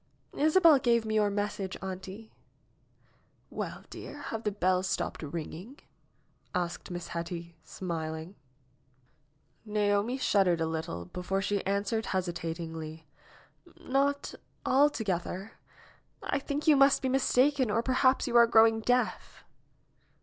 ^Hsabel gave me your message, auntie." ''Well, dear, have the bells stopped ringing?" asked Miss Hetty, smiling. Naomi shuddered a little before she answered hesitat ingly, "Not altogether. I think you must be mistaken or perhaps you are growing deaf."